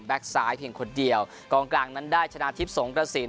แบ็คซ้ายเพียงคนเดียวกลางนั้นได้ชนะทิศสงฆ์กระสิน